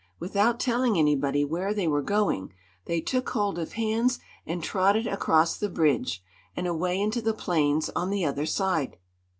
Without telling anybody where they were going, they took hold of hands and trotted across the bridge and away into the plains on the other side.